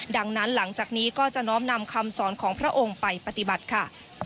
ดังนั้นหลังจากนี้ก็จะน้อมนำคำสอนของพระองค์ไปปฏิบัติค่ะ